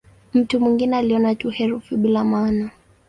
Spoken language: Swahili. Mtu mwingine aliona tu herufi bila maana.